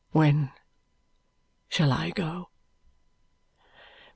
"When shall I go?"